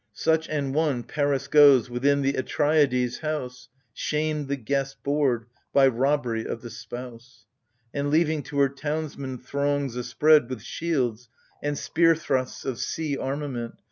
Such an one, Paris goes Within the Atreidai's house — Shamed the guest's board by robbery of the spouse. And, leaving to her townsmen throngs a spread With shields, and spear thrusts of sea armament.